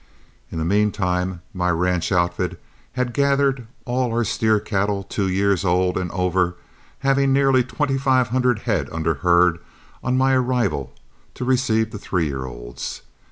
In the mean time my ranch outfit had gathered all our steer cattle two years old and over, having nearly twenty five hundred head under herd on my arrival to receive the three year olds.